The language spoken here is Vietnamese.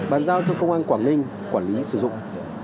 bàn giao cho công an quảng ninh quản lý sử dụng